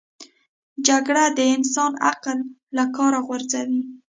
جګړه د انسان عقل له کاره غورځوي